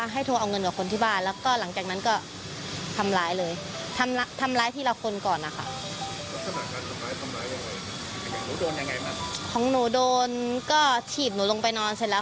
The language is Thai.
ของหนูโดนก็ถีบหนูลงไปนอนเสร็จแล้ว